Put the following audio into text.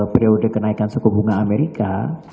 periode kenaikan suku bunga amerika